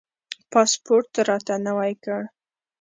پاسپورټ راته نوی کړ.